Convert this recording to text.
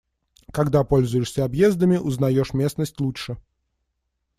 Когда пользуешься объездами, узнаёшь местность лучше.